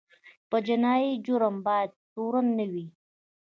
په جنایي جرم باید تورن نه وي.